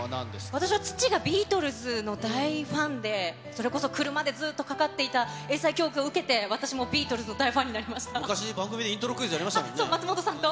私は父がビートルズの大ファンで、それこそ車でずっとかかっていた英才教育を受けて、私もビ昔、番組でイントロクイズやりましたもんね。